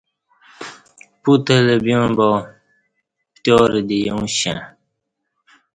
پوت اہ لہ بیوݩع باپتیارہ دی اوݩش کشݩع